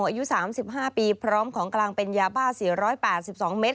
อายุ๓๕ปีพร้อมของกลางเป็นยาบ้า๔๘๒เมตร